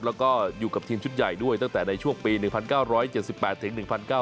แล้วก็อยู่กับทีมชุดใหญ่ด้วยตั้งแต่ในช่วงปี๑๙๗๘ถึง๑๙๐